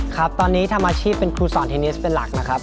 ครับตอนนี้ทำอาชีพเป็นครูสอนเทนนิสเป็นหลักนะครับ